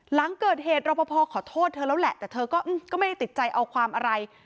หลังเกิดเหตุรอปภขอโทษเธอแล้วแหละแต่เธอก็ไม่ได้ติดใจเอาความอะไร